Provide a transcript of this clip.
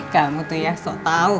kamu tuh ya sok tahu